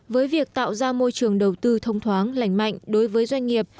với việc tạo ra môi trường đầu tư thông thoáng lành mạnh đối với doanh nghiệp